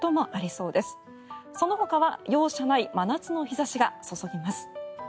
そのほかは容赦ない真夏の日差しが注ぎます。